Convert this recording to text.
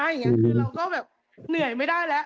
เราก็เหนื่อยไม่ได้แล้ว